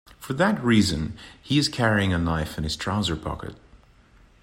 For that reason he is carrying a knife in his trouser pocket.